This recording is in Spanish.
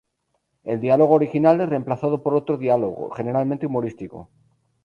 El diálogo original es remplazado por otro diálogo, generalmente humorístico.